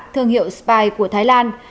thương hiệu spy của thái lan